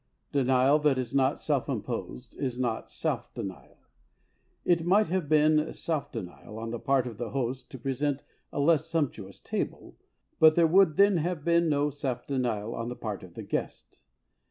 Denial that is not selHmposed is not self denial. It might have been self denial on the part of the host to present a less sumptuous table, but there would then have been no self denial on the part of the guest.